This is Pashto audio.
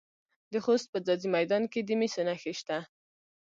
د خوست په ځاځي میدان کې د مسو نښې شته.